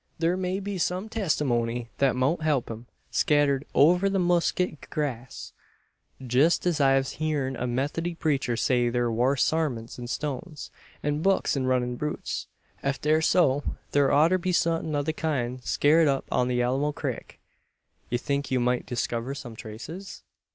Thur may be some testymoney that mout help him, scattered over the musquit grass jest as I've heern a Methody preecher say, thur `war sarmints in stones, an books in runnin' brutes.' Eft air so, thur oughter be somethin' o' the kind scared up on the Alamo crik." "You think you might discover some traces?"